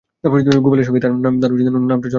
গোপালের সঙ্গেই তার নামটা জড়ানো হয় বেশি সময়।